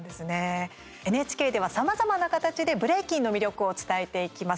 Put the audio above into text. ＮＨＫではさまざまな形でブレイキンの魅力を伝えていきます。